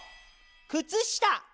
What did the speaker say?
くつした。